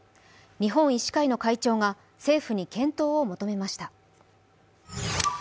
日本医師会の会長が政府に検討を求めました。